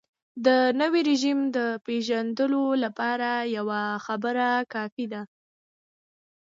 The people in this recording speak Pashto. د نوي رژیم د پېژندلو لپاره یوه خبره کافي ده.